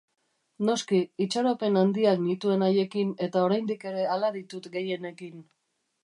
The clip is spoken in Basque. Noski, itxaropen handiak nituen haiekin eta oraindik ere hala ditut gehienekin.